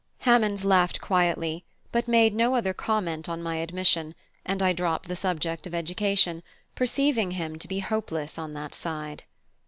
Hammond laughed quietly, but made no other comment on my admission, and I dropped the subject of education, perceiving him to be hopeless on that side.